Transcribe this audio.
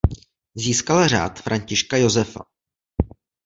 Získal Řád Františka Josefa.